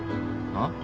あっ？